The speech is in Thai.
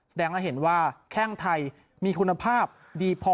แสดงให้เห็นว่าแข้งไทยมีคุณภาพดีพอ